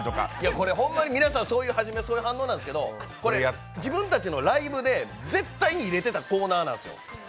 これ、ホンマに皆さん初め、そういう反応なんですがこれ、自分たちのライブで絶対に入れてたコーナーなんですよ。